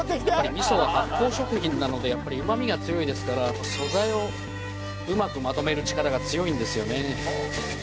味噌は発酵食品なのでやっぱりうまみが強いですから素材をうまくまとめる力が強いんですよね。